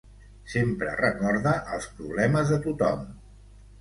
Sempre recorda els problemes de tothom.